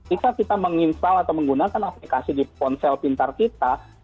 jika kita menginstal atau menggunakan aplikasi di ponsel pintar kita